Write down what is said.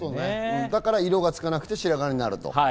だから色がつかなくて白髪になる。